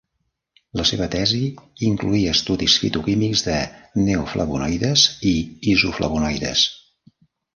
La seva tesi incloïa estudis fitoquímics de neoflavonoides i isoflavonoides.